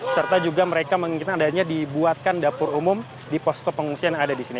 serta juga mereka menginginkan adanya dibuatkan dapur umum di posko pengungsian yang ada di sini